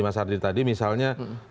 mas adi tadi misalnya